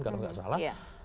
kalau tidak salah